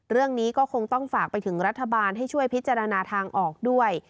เรื่องนี้ก็คงต้องฝากไปถึงรัฐบาลให้ช่วยพิจารณาทางออกด้วย